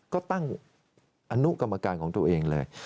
ก็ตั้งอนุกรรมการของตัวเองเลย